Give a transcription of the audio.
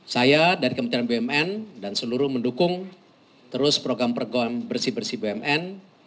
saya dari kementerian bumn dan seluruh mendukung terus program program bersih bersih bumn